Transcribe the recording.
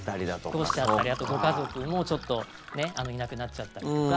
引っ越しちゃったりあと、ご家族もいなくなっちゃったりとか。